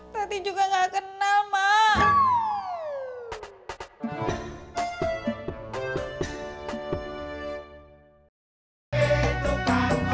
tapi juga gak kenal mak